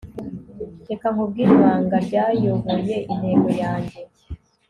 reka nkubwire ibanga ryayoboye intego yanjye